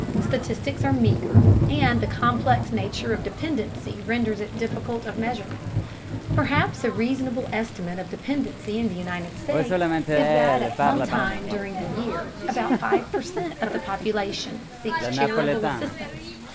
Statistics are meager, and the complex nature of dependency renders it difficult of measurement. Perhaps a reasonable estimate of dependency in the United States is that at some time during the year about five per cent of the population seeks charitable assistance.